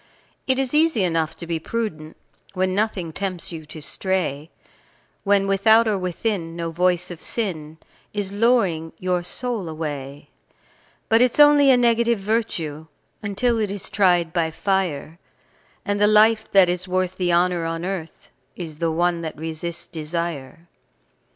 It is easy enough to be prudent When nothing tempts you to stray, When without or within no voice of sin Is luring your soul away; But it's only a negative virtue Until it is tried by fire, And the life that is worth the honour on earth Is the one that resists desire.